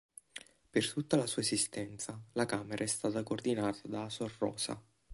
Per tutta la sua esistenza, la Camera è stata coordinata da Asor Rosa.